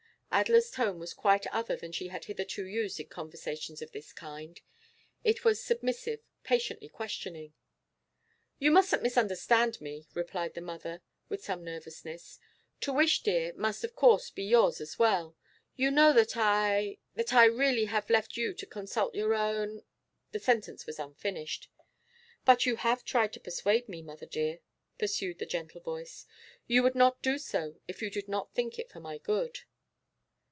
Adela's tone was quite other than she had hitherto used in conversations of this kind. It was submissive, patiently questioning. 'You mustn't misunderstand me,' replied the mother with some nervousness. 'The wish, dear, must of course be yours as well. You know that I that I really have left you to consult your own ' The sentence was unfinished. 'But you have tried to persuade me, mother dear,' pursued the gentle voice. 'You would not do so if you did not think it for my good.